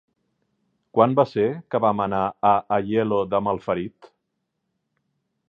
Quan va ser que vam anar a Aielo de Malferit?